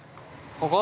◆ここ？